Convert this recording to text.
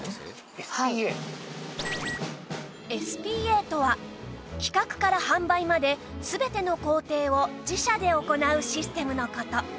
ＳＰＡ とは企画から販売まで全ての工程を自社で行うシステムの事